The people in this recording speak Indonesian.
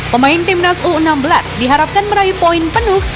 pemain timnas u enam belas diharapkan meraih poin penuh